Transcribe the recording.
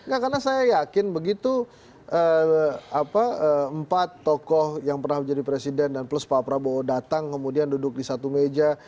karena saya yakin begitu empat tokoh yang pernah menjadi presiden dan plus pak prabowo datang kemudian duduk di satu meja